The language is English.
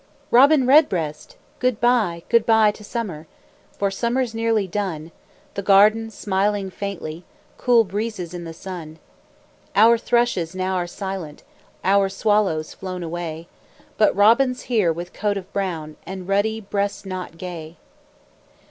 ROBIN REDBREAST Good by, good by to summer! For summer's nearly done; The garden smiling faintly, Cool breezes in the sun. Our thrushes now are silent, Our swallows flown away But Robin's here with coat of brown, And ruddy breast knot gay.